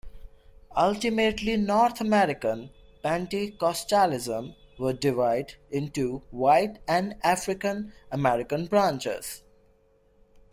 Ultimately, North American Pentecostalism would divide into white and African-American branches.